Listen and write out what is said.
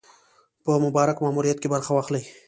په مبارک ماموریت کې برخه واخلي.